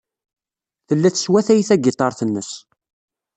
Tella teswatay tagiṭart-nnes.